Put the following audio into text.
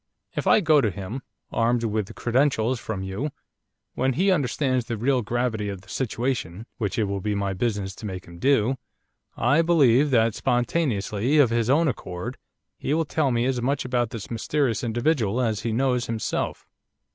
If I go to him, armed with credentials from you, when he understands the real gravity of the situation, which it will be my business to make him do, I believe that, spontaneously, of his own accord, he will tell me as much about this mysterious individual as he knows himself.